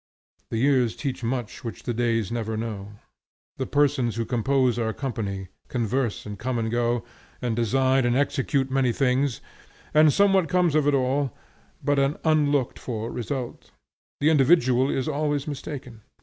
The years teach much which the days never know. The persons who compose our company, converse, and come and go, and design and execute many things, and somewhat comes of it all, but an unlooked for result. The individual is always mistaken.